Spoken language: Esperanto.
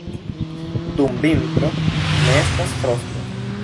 Dum vintro ne estas frosto.